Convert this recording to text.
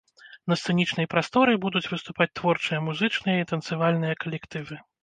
На сцэнічнай прасторы будуць выступаць творчыя музычныя і танцавальныя калектывы.